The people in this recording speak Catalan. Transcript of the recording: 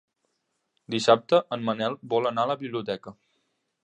Dissabte en Manel vol anar a la biblioteca.